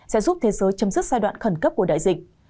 sẽ giúp thế giới chấm dứt giai đoạn khẩn cấp của đại dịch